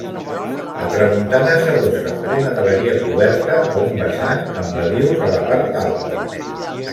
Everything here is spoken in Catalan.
A tramuntana s'adossa una galeria coberta a un vessant amb badius a la part alta.